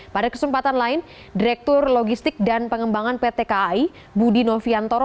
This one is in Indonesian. pada kesempatan lain direktur logistik dan pengembangan pt kai budi noviantoro